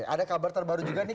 ada kabar terbaru juga nih